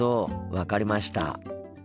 分かりました。